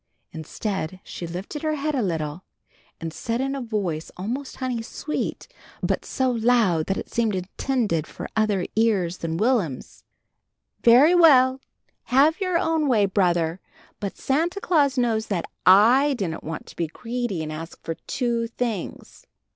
Instead she lifted her head a little, and said in a voice almost honey sweet, but so loud that it seemed intended for other ears than Will'm's, "Very well, have your own way, brother, but Santa Claus knows that I didn't want to be greedy and ask for two things!"